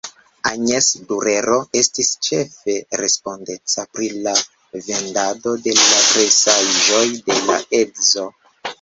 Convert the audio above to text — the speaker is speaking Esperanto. Agnes Durero estis ĉefe respondeca pri la vendado de la presaĵoj de la edzo.